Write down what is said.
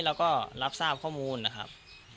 แล้วก็รับทราบข้อมูลนะครับ